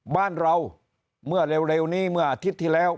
บ้านเราเมื่อเร็วนี้เมื่ออาทิตย์ที่แล้ว